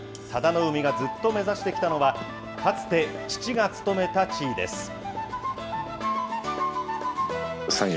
佐田の海がずっと目指してきたのは、かつて父が務めた地位です。